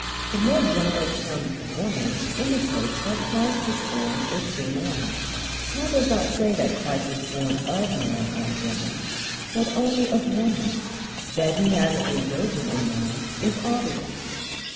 The more general term "woman" indicates that Christ was born a true man. Paul does not say that Christ was born of man and woman, but only of woman. That he has a virgin in mind is obvious.